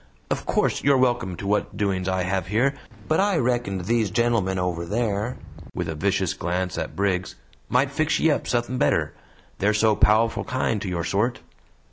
"Of course, you're welcome to what doings I hev here, but I reckoned these gentlemen over there," with a vicious glance at Briggs, "might fix ye up suthin' better; they're so pow'ful kind to your sort."